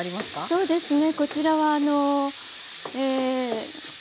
そうですね。